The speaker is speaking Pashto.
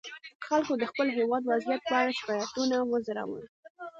خلکو د خپل هېواد وضعیت په اړه شکایتونه وځړول.